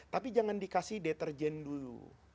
tapi jangan dikasih deterjen dulu